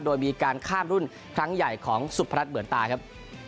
โดยมีการข้ามรุ่นครั้งใหญ่ของสุพรัชเหมือนตาครับ